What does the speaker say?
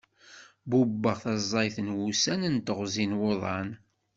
Bubbeɣ taẓayt n wussan d teɣzi n wuḍan.